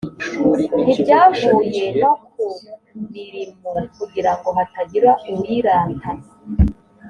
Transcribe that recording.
ntibyavuye no ku mirimo kugira ngo hatagira uwirata